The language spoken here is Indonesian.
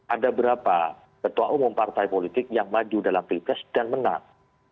ada berapa ketua umum partai politik yang maju dalam pilpres dan menang